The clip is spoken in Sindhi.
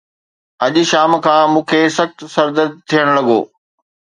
اڄ شام کان مون کي سخت سر درد ٿيڻ لڳو.